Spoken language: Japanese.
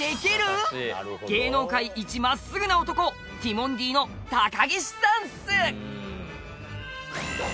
芸能界一真っすぐな男ティモンディの高岸さんっす。